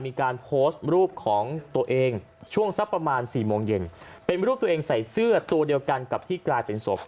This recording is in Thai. มีการโพสต์รูปของตัวเองช่วงสักประมาณสี่โมงเย็นเป็นรูปตัวเองใส่เสื้อตัวเดียวกันกับที่กลายเป็นศพ